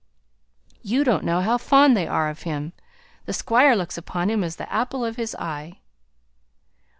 "You don't know how fond they are of him, the Squire looks upon him as the apple of his eye."